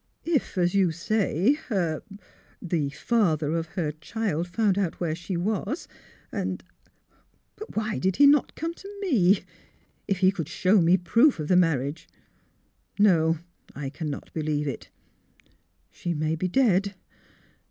'' If, as you say, her — the father of her child SYLVIA'S CHILD 289 found out where she was, and But why did he not come to mel If he could show me proof of the marriage No ; I cannot believe it. She may be — dead."